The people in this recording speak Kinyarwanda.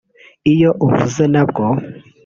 Iyo uvuze nabwo